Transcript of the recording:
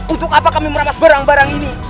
untuk apa kami merampas barang barang ini